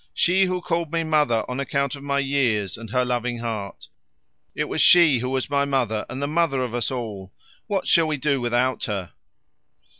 She who called me mother on account of my years and her loving heart. It was she who was my mother and the mother of us all. What shall we do without her?"